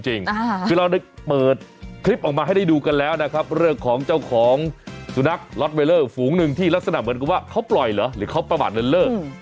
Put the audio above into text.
คือเราได้เปิดคลิปออกมาให้ได้ดูกันแล้วนะครับเรื่องของเจ้าของสุนัขล็อตเวลเลอร์ฝูงหนึ่งที่ลักษณะเหมือนกับว่าเขาปล่อยเหรอหรือเขาประมาทเลิศ